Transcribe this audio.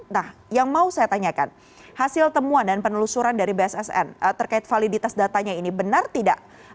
nah yang mau saya tanyakan hasil temuan dan penelusuran dari bssn terkait validitas datanya ini benar tidak